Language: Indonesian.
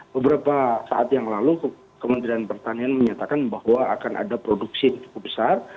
beberapa saat yang lalu kementerian pertanian menyatakan bahwa akan ada produksi yang cukup besar